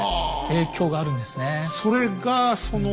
影響があるんですね。